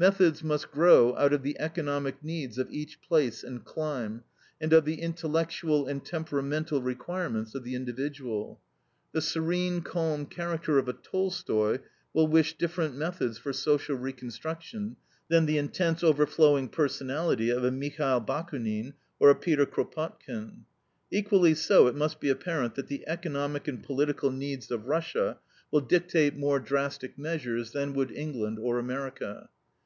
Methods must grow out of the economic needs of each place and clime, and of the intellectual and temperamental requirements of the individual. The serene, calm character of a Tolstoy will wish different methods for social reconstruction than the intense, overflowing personality of a Michael Bakunin or a Peter Kropotkin. Equally so it must be apparent that the economic and political needs of Russia will dictate more drastic measures than would England or America.